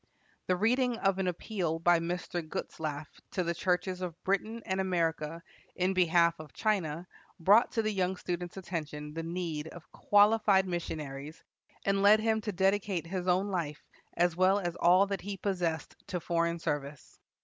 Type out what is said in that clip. The reading of an appeal by Mr. Gutzlaff to the churches of Britain and America in behalf of China brought to the young student's attention the need of qualified missionaries, and led him to dedicate his own life as well as all that he possessed to foreign service.